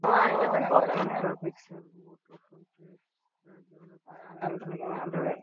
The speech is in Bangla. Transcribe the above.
আলট্রা পিক্সেল মোড অপশনটির সাহায্যে অনেক বেশি রেজল্যুশনের ছবি তোলা যায় এতে।